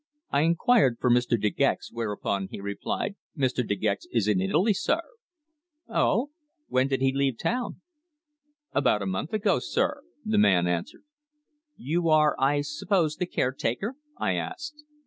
I inquired for Mr. De Gex, whereupon he replied: "Mr. De Gex is in Italy, sir." "Oh! When did he leave town?" "About a month ago, sir," the man answered. "You are, I suppose, the caretaker?" I asked.